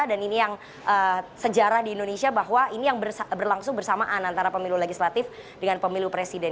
dan ini yang sejarah di indonesia bahwa ini yang berlangsung bersamaan antara pemilu legislatif dengan pemilu presiden